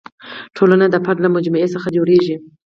ټولنه د فرد له مجموعې څخه جوړېږي.